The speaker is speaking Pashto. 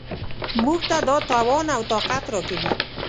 موږ ته دا توان او طاقت راکوي.